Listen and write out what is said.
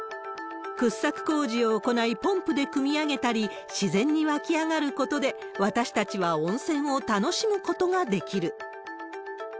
掘削工事を行いポンプでくみ上げたり、自然に湧き上がることで、私たちは温泉を楽しむことができる。